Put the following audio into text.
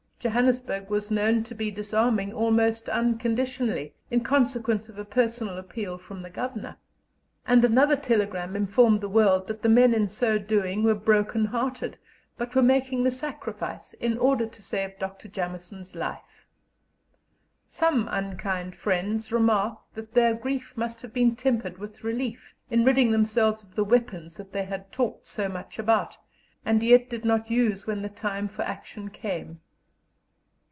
Johannesburg was known to be disarming almost unconditionally "in consequence of a personal appeal from the Governor," and another telegram informed the world that the men in so doing were broken hearted, but were making the sacrifice in order to save Dr. Jameson's life. Some unkind friends remarked that their grief must have been tempered with relief, in ridding themselves of the weapons that they had talked so much about, and yet did not use when the time for action came.